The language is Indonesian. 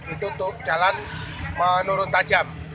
itu jalan menurun tajam